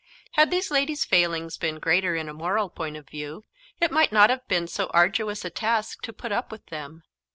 Had these ladies' failings been greater in a moral point of view, it might not have been so arduous a task to put up with them.